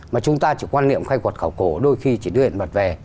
mà chúng ta chỉ quan niệm khai quản khảo cổ đôi khi chỉ đưa hiện vật về